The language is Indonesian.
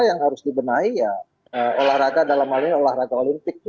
yang harus dibenahi ya olahraga dalam hal ini olahraga olimpik